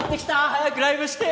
早くライブして！